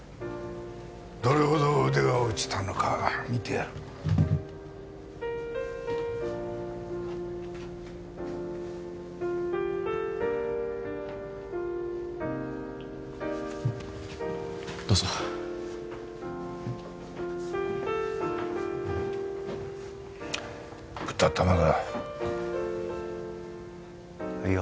どれほど腕が落ちたのかみてやるどうぞ豚玉だあいよ